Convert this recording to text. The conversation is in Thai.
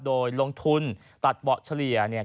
โดยลงทุนตัดเบาะเฉลี่ยเนี่ย